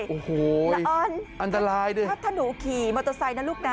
โอ้โฮยอันตรายด้วยละอ่อนถ้าหนูขี่มอเตอร์ไซต์นะลูกนะ